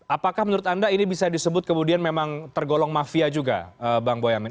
apakah menurut anda ini bisa disebut kemudian memang tergolong mafia juga bang boyamin